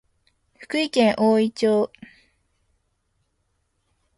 福井県おおい町